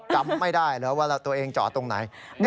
จำไม่ได้เหรอว่าตัวเองจอดตรงไหน